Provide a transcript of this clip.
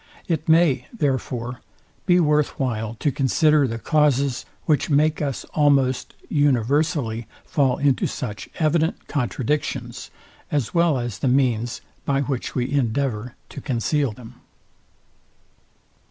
It may, therefore, be worth while to consider the causes, which make us almost universally fall into such evident contradictions, as well as the means by which we endeavour to conceal them.